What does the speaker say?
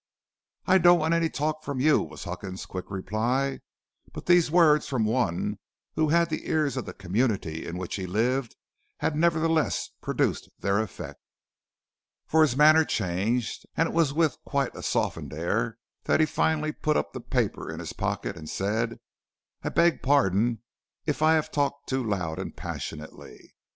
"'I don't want any talk from you,' was Huckins' quick reply, but these words from one who had the ears of the community in which he lived had nevertheless produced their effect; for his manner changed and it was with quite a softened air that he finally put up the paper in his pocket and said: 'I beg pardon if I have talked too loud and passionately.